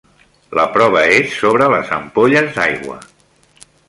La prova és sobre les ampolles d'aigua.